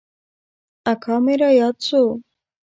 اکا مې راياد سو.